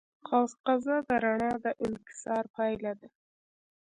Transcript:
قوس قزح د رڼا د انکسار پایله ده.